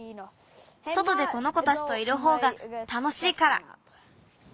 そとでこの子たちといるほうがたのしいから。